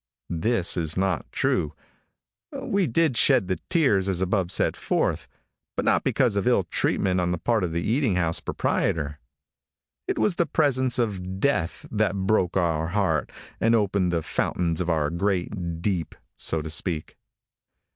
This is not true. We did shed the tears as above set forth, but not because of ill treatment on the part of the eating house proprietor. It was the presence of death that broke our heart and opened the fountains of our great deep, so to speak.